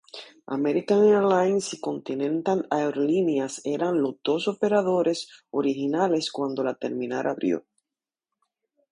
American Airlines y Continental Aerolíneas eran los dos operadores originales cuando la terminal abrió.